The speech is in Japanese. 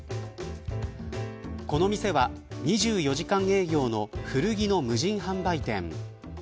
この店は２４時間営業の古着の無人販売店。